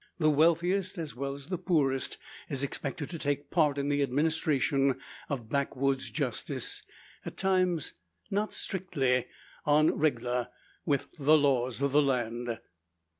The wealthiest, as well as the poorest, is expected to take part in the administration of backwoods' justice at times not strictly en regle with the laws of the land.